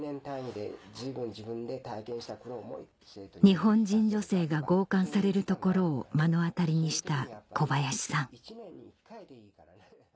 日本人女性が強姦されるところを目の当たりにした小林さん